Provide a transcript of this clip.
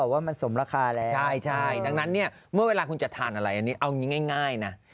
ถ้าสมมุติหัวนี่ปลาเข้าไปอยู่๑๒๐นะ